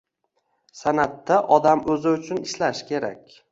San’atda odam o‘zi uchun ishlashi kerak.